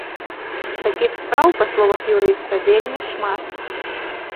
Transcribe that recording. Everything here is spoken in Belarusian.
Такіх спраў, па словах юрыста, вельмі шмат.